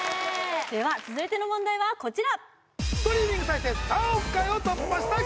続いての問題はこちら